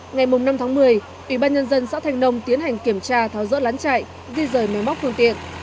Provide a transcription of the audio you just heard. ngày năm một mươi ubnd xã thanh nông tiến hành kiểm tra tháo rỡ lán chạy di rời máy móc phương tiện